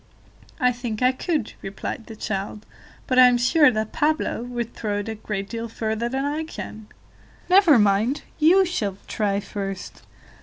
"I think I could," replied the child, "but I am sure that Pablo would throw it a great deal further than I can." "Never mind, you shall try first."